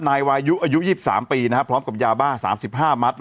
นายวายุอายุ๒๓ปีพร้อมกับยาบ้า๓๕มัตต์